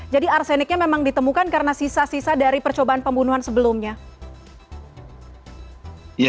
jadi arseniknya memang ditemukan karena sisa sisa dari percobaan pembunuhan sebelumnya